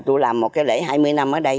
tôi làm một lễ hai mươi năm ở đây